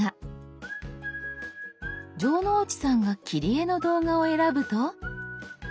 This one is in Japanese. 城之内さんが「切り絵」の動画を選ぶと。